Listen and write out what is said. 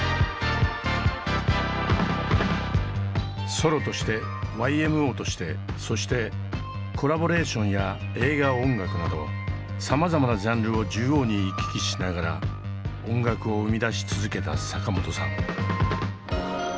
ソロとしてＹＭＯとしてそしてコラボレーションや映画音楽などさまざまなジャンルを縦横に行き来しながら音楽を生み出し続けた坂本さん。